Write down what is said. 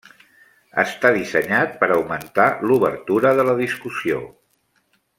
Està dissenyat per augmentar l'obertura de la discussió.